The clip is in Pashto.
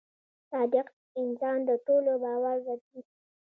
• صادق انسان د ټولو باور ګټي.